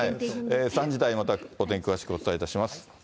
３時台、またお天気お伝えいたします。